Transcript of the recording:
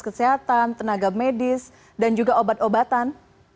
kesehatan tenaga medis dan juga obat obatan